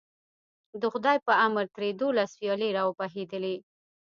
د خدای په امر ترې دولس ویالې راوبهېدې.